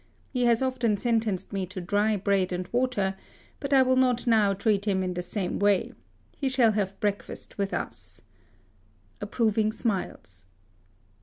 He has often sentenced me to dry. bread and water ; but I will not now treat him in the same way. He shall breakfast with us." (Ap proving smiles.)